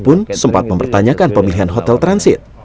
pun sempat mempertanyakan pemilihan hotel transit